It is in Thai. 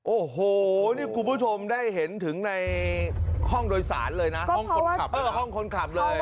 โอ้โหนี่คุณผู้ชมได้เห็นถึงในห้องโดยสารเลยนะห้องคนขับห้องคนขับเลย